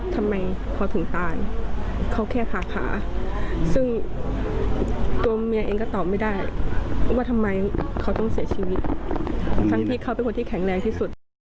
ทำไมเขาถึงตายเขาแค่ผ่าขาซึ่งตัวเมียเองก็ตอบไม่ได้ว่าทำไมเขาต้องเสียชีวิตทั้งที่เขาเป็นคนที่แข็งแรงที่สุด